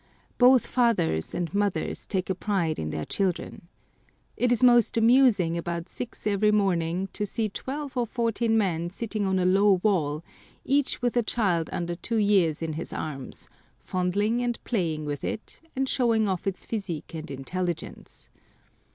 Both fathers and mothers take a pride in their children. It is most amusing about six every morning to see twelve or fourteen men sitting on a low wall, each with a child under two years in his arms, fondling and playing with it, and showing off its physique and intelligence.